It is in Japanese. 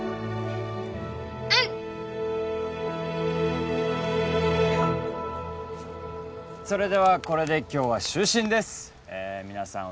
うんそれではこれで今日は就寝です皆さん